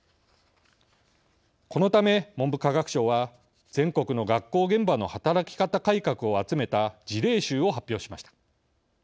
このため文部科学省は全国の学校現場の働き方改革を集めた事例集を発表しました。